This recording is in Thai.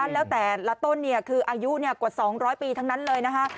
แล้วแต่ละต้นคืออายุกว่า๒๐๐ปีทั้งนั้นเลยนะคะ